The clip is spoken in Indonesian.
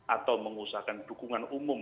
atau mengusahakan dukungan umum